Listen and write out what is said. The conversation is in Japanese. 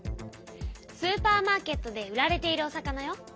スーパーマーケットで売られているお魚よ。